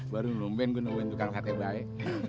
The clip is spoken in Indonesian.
baru nombin gue nombin tukang sate baik